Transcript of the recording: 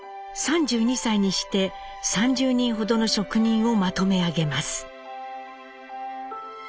３２歳にして３０人ほどの職人をまとめ上げます。